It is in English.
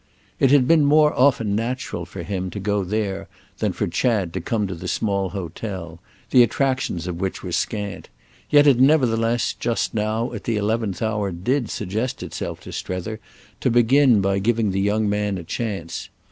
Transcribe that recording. It had been more often natural for him to go there than for Chad to come to the small hotel, the attractions of which were scant; yet it nevertheless, just now, at the eleventh hour, did suggest itself to Strether to begin by giving the young man a chance.